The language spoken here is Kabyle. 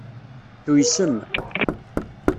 Tuysem.